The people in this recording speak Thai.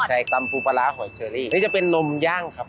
ใช่ตำปูปลาร้าหอยเชอรี่อันนี้จะเป็นนมย่างครับ